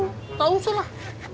kalau begitu tak usah lah